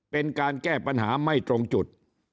เป็นการแก้ปัญหาไม่ตรงจุด